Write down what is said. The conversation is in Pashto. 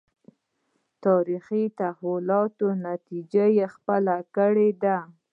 تاریخي تحولاتو نتیجه کې خپلې کړې دي